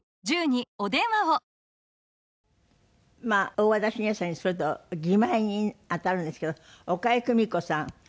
まあ大和田伸也さんにすると義妹にあたるんですけど岡江久美子さん。